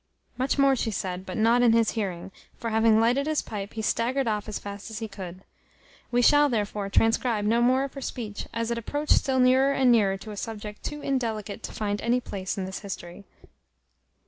Much more she said, but not in his hearing; for having lighted his pipe, he staggered off as fast as he could. We shall therefore transcribe no more of her speech, as it approached still nearer and nearer to a subject too indelicate to find any place in this history.